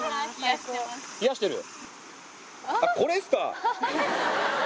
冷やしてる。